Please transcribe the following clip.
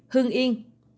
ba mươi hương yên